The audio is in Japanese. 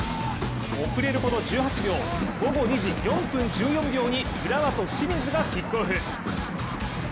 遅れること１８秒午後２時４分１４秒に浦和と清水がキックオフ。